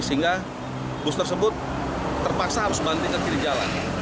sehingga bus tersebut terpaksa harus bandingkan kiri jalan